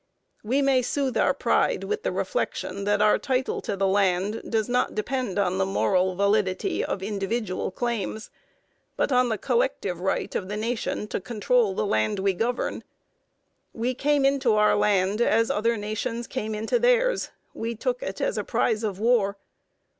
We may soothe our pride with the reflection that our title to the land does not depend on the moral validity of individual claims, but on the collective right of the nation to control the land we govern. We came into our land as other nations came into theirs: we took it as a prize of war.